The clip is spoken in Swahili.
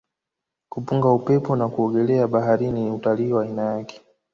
kupunga upepo na kuogelea baharini ni utalii wa aina yake